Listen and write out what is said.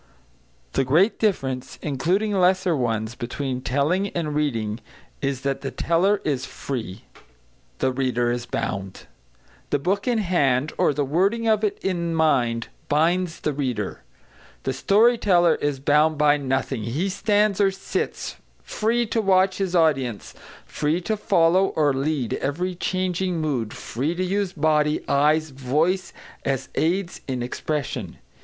The great difference, including lesser ones, between telling and reading is that the teller is free; the reader is bound. The book in hand, or the wording of it in mind, binds the reader. The story teller is bound by nothing; he stands or sits, free to watch his audience, free to follow or lead every changing mood, free to use body, eyes, voice, as aids in expression.